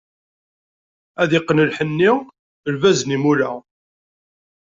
Ad yeqqen lḥenni, lbaz n yimula.